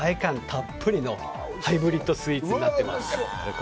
たっぷりのハイブリッドスイーツになっています。